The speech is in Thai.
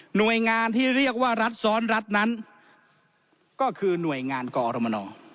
หน่วยงานที่เรียกว่ารัฐซ้อนรัฐนั้นก็คือหน่วยงานกรมน